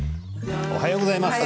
おはようございます。